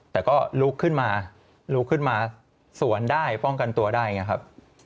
แต่ก็ลุกขึ้นมาลุกขึ้นมาสวนได้ป้องกันตัวได้อย่างนี้ครับ